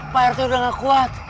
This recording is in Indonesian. pak rt udah gak kuat